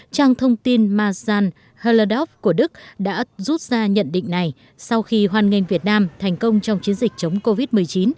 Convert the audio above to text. trang thông tin marsan holodow của đức đã rút ra nhận định này sau khi hoàn nghênh việt nam thành công trong chiến dịch chống covid một mươi chín